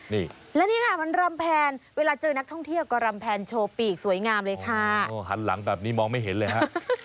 นี่และนี่ค่ะมันรำแพนเวลาเจอนักท่องเที่ยวก็รำแพนโชว์ปีกสวยงามเลยค่ะโอ้หันหลังแบบนี้มองไม่เห็นเลยฮะ